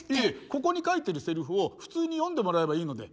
ここに書いてるセリフを普通に読んでもらえばいいので。